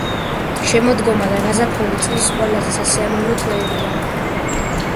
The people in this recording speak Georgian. შემოდგომა და გაზაფხული წლის ყველაზე სასიამოვნო თვეებია.